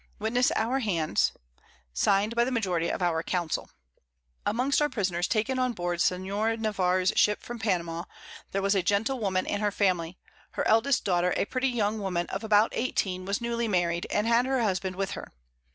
Witness our Hands._ Signed by the Majority of our Council. Amongst our Prisoners taken on board Sen. Navarre's Ship from Panama, there was a Gentlewoman and her Family, her eldest Daughter a pretty young Woman of about 18, was newly married, and had her Husband with her.